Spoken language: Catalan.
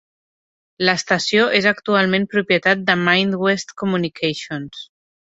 L'estació és actualment propietat de Midwest Communications.